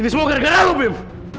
ini semua gara gara lo bim